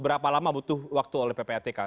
berapa lama butuh waktu oleh ppatk